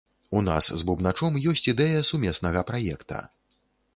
У нас з бубначом ёсць ідэя сумеснага праекта.